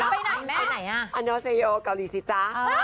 ไปไหนนะ